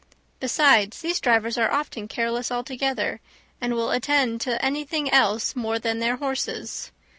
Besides, these drivers are often careless altogether, and will attend to anything else more than their horses.